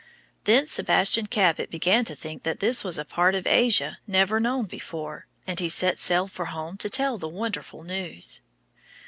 Then Sebastian Cabot began to think that this was a part of Asia never known before, and he set sail for home to tell the wonderful news.